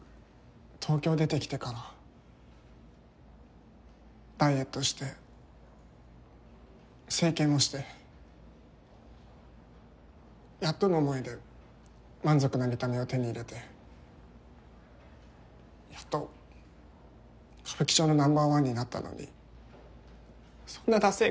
東京出てきてからダイエットして整形もしてやっとの思いで満足な見た目を手に入れてやっと歌舞伎町のナンバーワンになったのにそんなダセえ